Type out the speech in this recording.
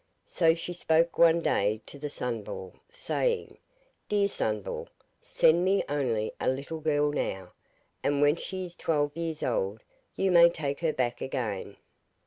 So she spoke one day to the Sunball, saying: 'Dear Sunball, send me only a little girl now, and when she is twelve years old you may take her back again.